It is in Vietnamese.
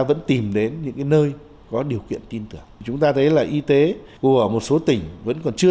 vẫn tìm đến những nơi có điều kiện tin tưởng chúng ta thấy là y tế của một số tỉnh vẫn còn chưa